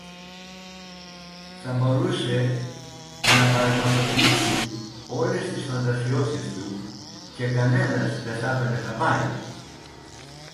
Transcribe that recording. Θα μπορούσε να πραγματοποιήσει όλες τις φαντασιώσεις του και κανένας δε θα ´παιρνε χαμπάρι